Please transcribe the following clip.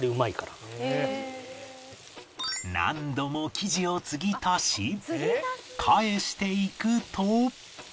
何度も生地を継ぎ足し返していくと